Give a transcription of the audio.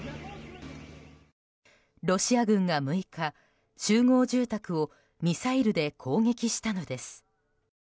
ロシア軍が６日、集合住宅をミサイルで攻撃したのです。